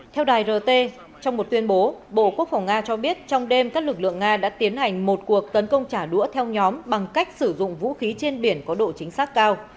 theo đài rt trong một tuyên bố bộ quốc phòng nga cho biết trong đêm các lực lượng nga đã tiến hành một cuộc tấn công trả đũa theo nhóm bằng cách sử dụng vũ khí trên biển có độ chính xác cao